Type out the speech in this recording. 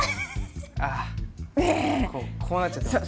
あっこうなっちゃってました。